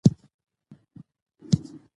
سیاسي سیاستونه د خلکو اړتیاوې پوره کوي